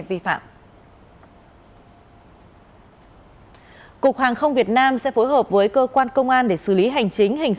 thật chắc nó tổng thể nó là một cái sản phẩm du lịch